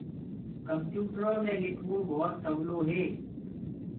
ڪمپيوُٽرو مي لکوو ڀوت سولو هي۔